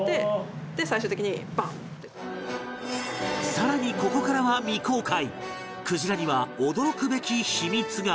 更にここからは未公開クジラには驚くべき秘密が